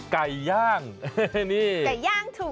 ถ้าอยากกินส้มตำแล้วเครื่องเคียงที่ขาดไม่ได้ก็คือ